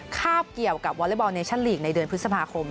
คาบเกี่ยวกับวอเล็กบอลเนชั่นลีกในเดือนพฤษภาคม